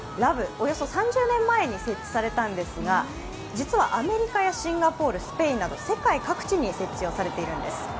およそ３０年前に設置されたんですが実はアメリカやシンガポール、スペインなど世界各地に設置をされているんです。